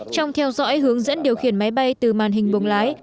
trong theo dõi hướng dẫn điều khiển máy bay từ màn hình bồng lái